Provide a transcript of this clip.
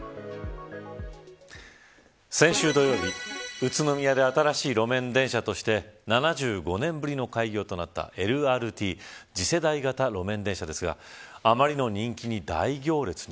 先週土曜日宇都宮で新たな路面電車として７５年ぶりの開業となったＬＲＴ＝次世代型路面電車ですがあまりの人気に大行列に。